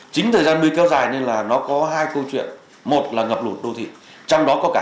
chính thời gian mưa kéo dài nên là nó có hai câu chuyện một là ngập lụt đô thị trong đó có cả